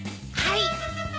はい。